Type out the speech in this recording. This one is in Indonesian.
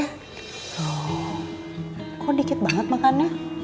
oh kok dikit banget makan ya